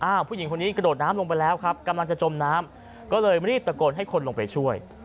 ผู้หญิงคนนี้กระโดดน้ำลงไปแล้วครับกำลังจะจมน้ำก็เลยรีบตะโกนให้คนลงไปช่วย